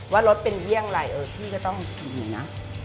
ว่ารสเป็นเยี่ยมอะไรพี่ก็ต้องชิมอยู่นะ